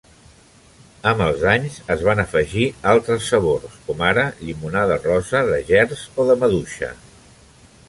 Amb els anys es van afegir altres sabors, com ara llimonada rosa, de gerds o de maduixa.